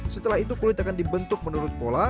setelah itu kulit akan dibentuk menurut pola